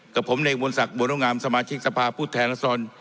กับผมเนคบวนศักดิ์บวนโรงงามสมาชิกสภาพผู้แทนละซอน